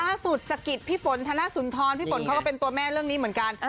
สะกิดพี่ฝนธนสุนทรพี่ฝนเขาก็เป็นตัวแม่เรื่องนี้เหมือนกัน